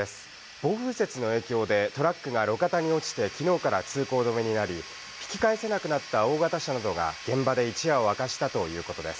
暴風雪の影響でトラックが路肩に落ちて昨日から通行止めになり、引き返せなくなった大型車などが現場で一夜を明かしたということです。